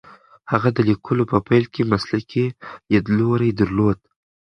هغې د لیکلو په پیل کې مسلکي لیدلوری درلود.